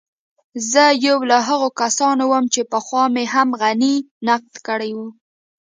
زه يو له هغو کسانو وم چې پخوا مې هم غني نقد کړی و.